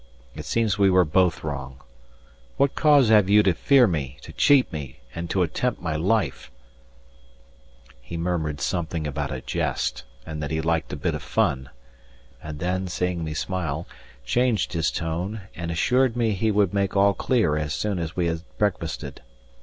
It seems we were both wrong. What cause you have to fear me, to cheat me, and to attempt my life " He murmured something about a jest, and that he liked a bit of fun; and then, seeing me smile, changed his tone, and assured me he would make all clear as soon as we had breakfasted.